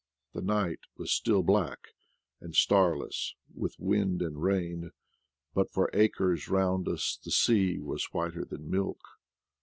The night was still black and starless, with wind and rain, but for acres round us the sea was whiter than milk.